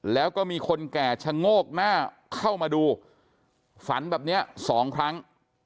แล้วก็มีคนแก่ชะโงกหน้าเข้ามาดูฝันแบบนี้สองครั้ง